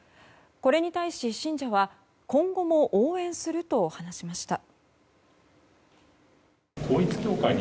これに対し、信者は今後も応援すると話しました。